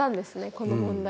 この問題は。